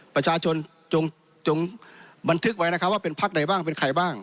ประชาชนจงบันทึกไว้นะครับว่าเป็นพักใดบ้างเป็นใครบ้าง